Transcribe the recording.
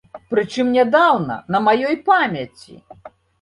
Прычым нядаўна, на маёй памяці.